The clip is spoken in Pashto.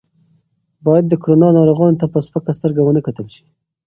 باید د کرونا ناروغانو ته په سپکه سترګه ونه کتل شي.